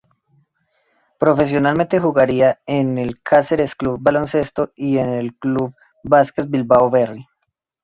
Profesionalmente jugaría en el Cáceres Club Baloncesto y en el Club Basket Bilbao Berri.